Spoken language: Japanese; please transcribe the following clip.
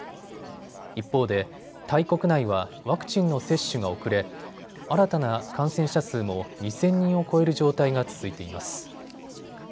一方でタイ国内はワクチンの接種が遅れ、新たな感染者数も２０００人を超える状態が続いています。